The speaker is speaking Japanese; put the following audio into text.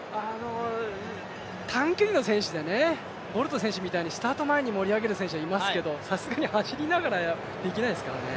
短距離の選手でボルト選手みたいにスタート前に盛り上げる選手はいますけど、さすがに走りながらできないですからね。